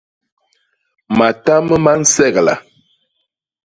Matam ma nsegla.